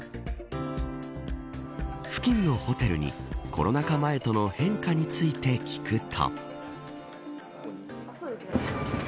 付近のホテルにコロナ禍前との変化について聞くと。